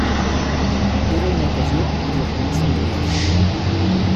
Era una ocasió per les reunions familiars.